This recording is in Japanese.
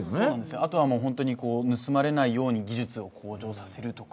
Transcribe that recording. あとは盗まれないように技術を向上させるとか。